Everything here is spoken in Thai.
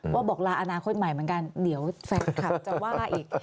ว่าบอกลาอนาคตใหม่เหมือนกันเดี๋ยวแฟนคลับจะว่าอีก